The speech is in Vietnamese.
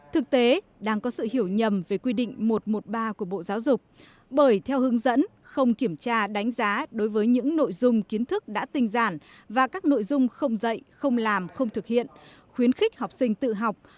thực tế đang có sự hiểu nhầm về quy định một trăm một mươi ba của bộ giáo dục bởi theo hướng dẫn không kiểm tra đánh giá đối với những nội dung kiến thức đã tinh giản và các nội dung không dạy không làm không thực hiện khuyến khích học sinh tự học